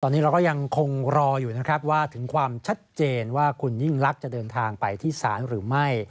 ตอนนี้เราก็ยังคงรออยู่นะครับว่าถึงความชัดเจนว่าคุณยิ่งลักษณ์จะเดินทางไปที่ศาลหรือไม่